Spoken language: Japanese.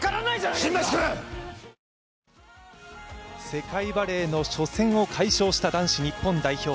世界バレーの初戦を解消した男子日本代表。